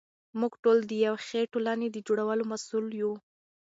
موږ ټول د یوې ښې ټولنې د جوړولو مسوول یو.